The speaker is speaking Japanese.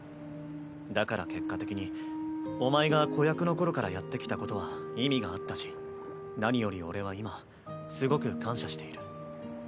だから結果的にお前が子役の頃からやってきたことは意味があったし何より俺は今すごく感謝している。